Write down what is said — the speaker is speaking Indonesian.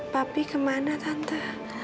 papi kemana tante